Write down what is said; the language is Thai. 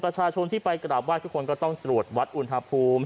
ประชาชนที่ไปกราบไห้ทุกคนก็ต้องตรวจวัดอุณหภูมิ